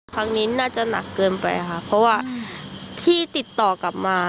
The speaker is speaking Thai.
ครั้งนี้น่าจะหนักเกินไปค่ะเพราะว่าที่ติดต่อกลับมา